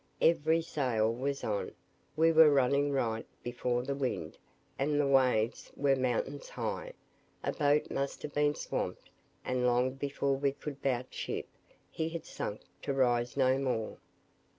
Every sail was on; we were running right before the wind, and the waves were mountains high, a boat must have been swamped; and long before we could "bout ship", he had sunk to rise no more.